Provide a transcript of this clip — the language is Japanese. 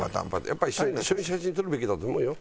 やっぱり一緒に写真撮るべきだと思うよ。